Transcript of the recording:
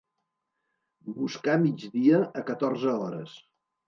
Buscar migdia a catorze hores.